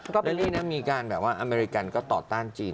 ตอนนี้อเมริกันก็ตอนต้านจีน